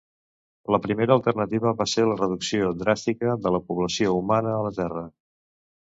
La primera alternativa va ser la reducció dràstica de la població humana a la Terra.